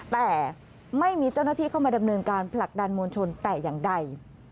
แต่ไม่มีเจ้าหน้าที่เข้ามาดำเนินการผลักดันมวลชนแต่อย่างใด